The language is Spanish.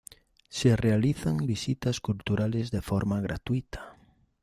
Se realizan visitas culturales de forma gratuita.